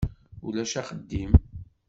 Ulac axeddim.